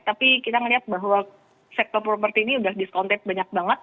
tapi kita melihat bahwa sektor properti ini sudah diskonte banyak banget